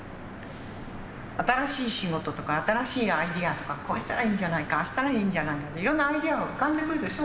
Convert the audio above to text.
新しい仕事とか新しいアイデアとかこうしたらいいんじゃないかああしたらいいんじゃないいろんなアイデアが浮かんでくるでしょ？